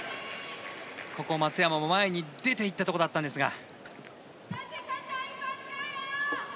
ここ、松山も前に出ていったところだったんですが。